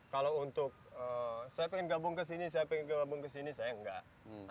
kalau untuk saya pengen gabung ke sini saya ingin gabung ke sini saya enggak